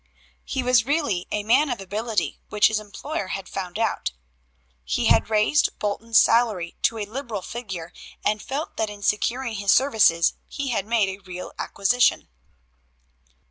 He was really a man of ability which his employer had found out. He had raised Bolton's salary to a liberal figure, and felt that in securing his services he had made a real acquisition.